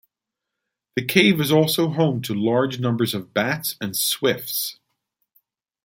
The cave is also home to large numbers of bats and swifts.